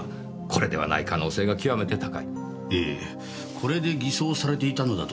これで偽装されていたのだとすると。